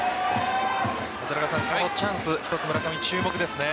このチャンス一つ村上、注目ですね。